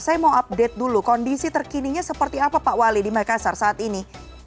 saya mau update dulu kondisi terkininya seperti apa pak wali di makassar saat ini